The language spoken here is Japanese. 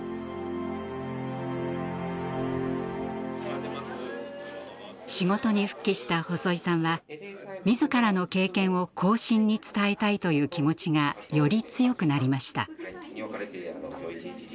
やっぱし仕事に復帰した細井さんは自らの経験を後進に伝えたいという気持ちがより強くなりました。